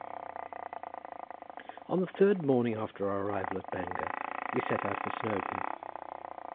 On the third morning after our arrival at Bangor we set out for Snowdon.